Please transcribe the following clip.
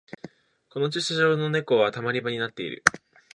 この駐車場はネコのたまり場になってる